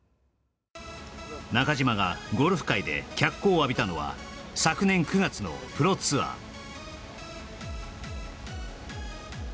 中島がゴルフ界で脚光を浴びたのは昨年９月のプロツアー